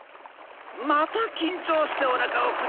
またきんちょうしておなかをくだしたのか。